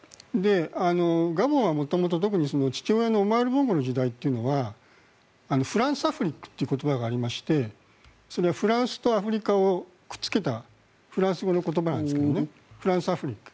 ガボンは元々、特に父親のオマール・ボンゴの時代というのはフランサフリックという言葉がありましてそれはフランスとアフリカをくっつけたフランス語の言葉なんですがフランサフリック。